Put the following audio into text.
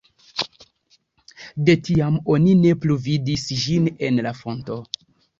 De tiam oni ne plu vidis ĝin en la fonto.